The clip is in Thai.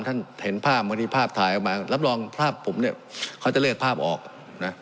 ท่านเห็นภาพบางทีภาพถ่ายออกมารับรองภาพผมเนี่ยเขาจะเลือกภาพออกนะ